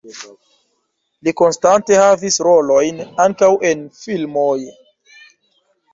Li konstante havis rolojn ankaŭ en filmoj.